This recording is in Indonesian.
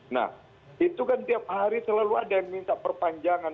nah itu kan tiap hari selalu ada yang minta perpanjangan